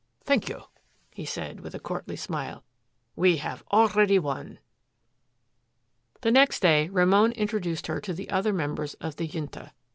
"Thank you," he said with, a courtly smile. "We have already won!" The next day Ramon introduced her to the other members of the Junta.